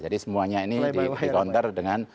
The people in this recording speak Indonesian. jadi semuanya ini di counter dengan